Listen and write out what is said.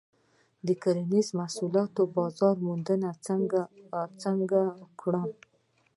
د کرنیزو محصولاتو بازار موندنه څنګه وکړم؟